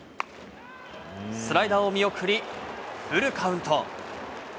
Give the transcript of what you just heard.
スライダーを見送りフルカウント。